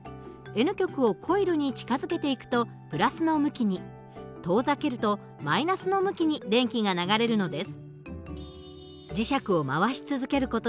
Ｎ極をコイルに近づけていくと＋の向きに遠ざけると−の向きに電気が流れるのです。